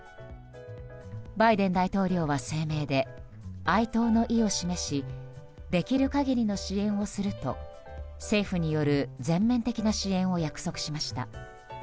バイデン大統領は声明で哀悼の意を示しできる限りの支援をすると政府による全面的な支援を約束しました。